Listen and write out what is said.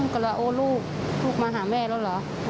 ก็เลยโอ้ลูกลูกมาหาแม่แล้วเหรอ